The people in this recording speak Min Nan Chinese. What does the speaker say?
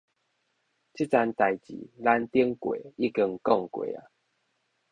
這層代誌咱頂過已經講過矣！